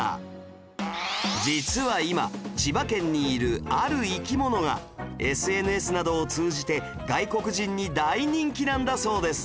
実は今千葉県にいるある生き物が ＳＮＳ などを通じて外国人に大人気なんだそうです